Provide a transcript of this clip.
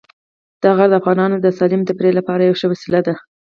دا غر د افغانانو د سالمې تفریح لپاره یوه ښه وسیله ده.